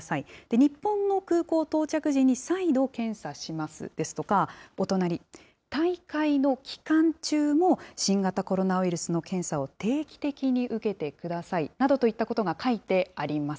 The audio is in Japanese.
日本の空港到着時に再度検査しますですとか、お隣、大会の期間中も新型コロナウイルスの検査を定期的に受けてくださいなどといったことが書いてあります。